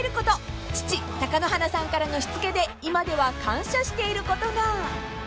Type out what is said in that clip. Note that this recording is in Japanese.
［父貴乃花さんからのしつけで今では感謝していることが］